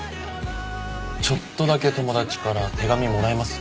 ちょっとだけ友達から手紙もらいます？